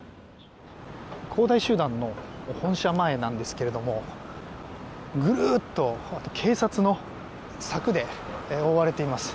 恒大集団の本社前なんですけれどもぐるっと警察の柵で覆われています。